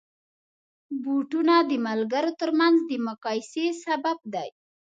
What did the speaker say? بوټونه د ملګرو ترمنځ د مقایسې سبب دي.